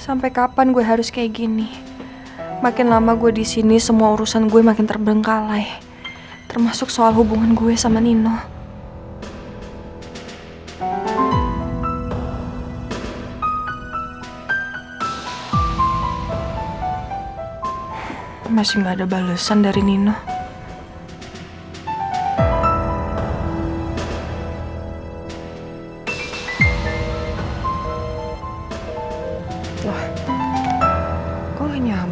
sampai jumpa di video selanjutnya